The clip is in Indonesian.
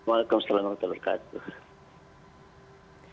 waalaikumsalam warahmatullahi wabarakatuh